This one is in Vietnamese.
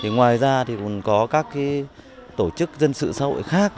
ngoài ra thì còn có các tổ chức dân sự xã hội khác